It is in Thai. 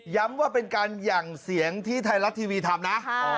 ว่าเป็นการหยั่งเสียงที่ไทยรัฐทีวีทำนะ